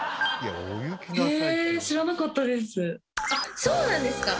あっそうなんですか？